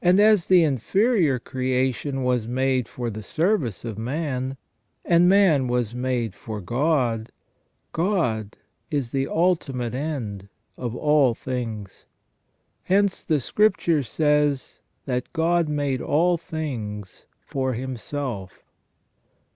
as the inferior creation was made for the service of man, and man was made for God, God is the ultimate end of all things. Hence the Scripture says that "God made all things for himself".